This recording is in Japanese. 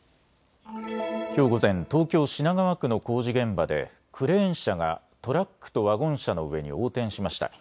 きょう午前、東京品川区の工事現場でクレーン車がトラックとワゴン車の上に横転しました。